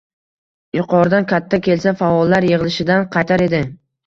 Yuqoridan katta kelsa — faollar yig‘ilishidan qaytar edi.